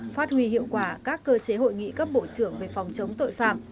phát huy hiệu quả các cơ chế hội nghị cấp bộ trưởng về phòng chống tội phạm